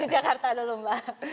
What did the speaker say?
jakarta dulu mbak